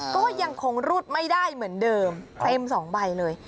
ก็ยังคงรูดไม่ได้เหมือนเดิมเต็ม๒ใบเลย